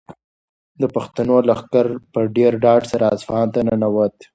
د پښتنو لښکر په ډېر ډاډ سره اصفهان ته ننووت.